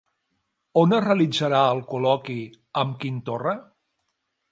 On es realitzarà el col·loqui amb Quim Torra?